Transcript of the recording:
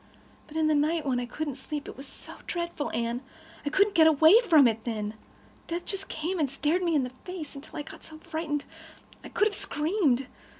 But in the night, when I couldn't sleep—it was so dreadful, Anne. I couldn't get away from it then. Death just came and stared me in the face, until I got so frightened I could have screamed.